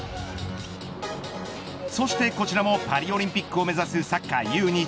そしてこちらもパリオリンピックを目指すサッカーＵ‐２１